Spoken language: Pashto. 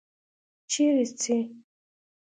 چیرې څې؟